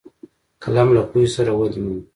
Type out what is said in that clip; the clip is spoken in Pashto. قلم له پوهې سره ودې مومي